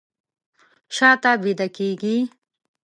شاته بیده کیږي